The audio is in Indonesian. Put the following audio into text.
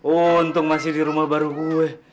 untung masih di rumah baru gue